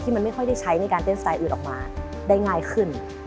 มันไม่ค่อยได้ใช้ในการเต้นสไตล์อื่นออกมาได้ง่ายขึ้น